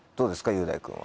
雄大君は。